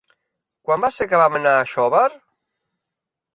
Quan va ser que vam anar a Xóvar?